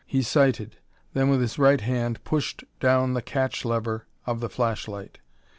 He sighted, then with his right hand pushed down the catch lever of the flashlight.